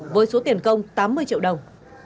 với số tiền công tám mươi triệu đồng